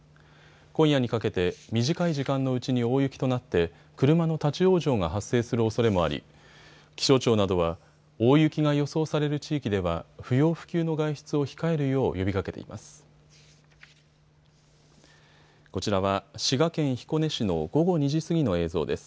今夜にかけて短い時間のうちに大雪となって車の立往生が発生するおそれもあり気象庁などは大雪が予想される地域では不要不急の外出を控えるよう呼びかけています。